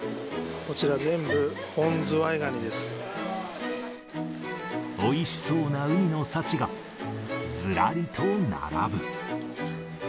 こちら、全部、おいしそうな海の幸がずらりと並ぶ。